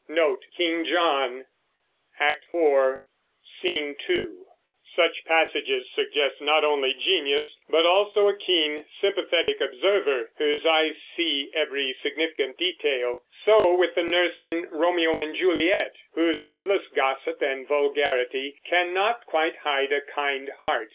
Such passages suggest not only genius but also a keen, sympathetic observer, whose eyes see every significant detail. So with the nurse in Romeo and Juliet, whose endless gossip and vulgarity cannot quite hide a kind heart.